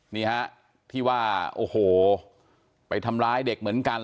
นี่ฮะที่ว่าโอ้โหไปทำร้ายเด็กเหมือนกัน